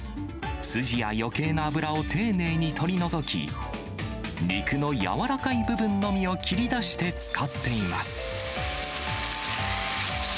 筋やよけいな脂を丁寧に取り除き、肉の柔らかい部分のみを切り出して使っています。